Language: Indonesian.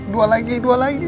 dua lagi dua lagi